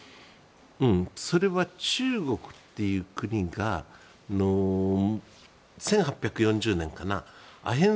それは中国という国が１８４０年かなアヘン